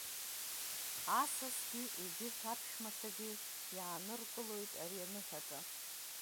Асасгьы егьырҭ аԥшәмацәагьы иааныркылоит ари аныҳәаҿа.